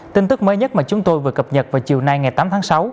tin tức mới nhất mà chúng tôi vừa cập nhật vào chiều nay ngày tám tháng sáu